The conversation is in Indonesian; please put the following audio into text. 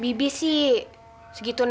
tapi sudah suis ya kan